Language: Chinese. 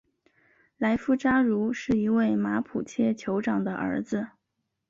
莱夫扎茹是一位马普切酋长的儿子。